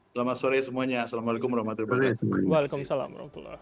selamat sore semuanya assalamualaikum wr wb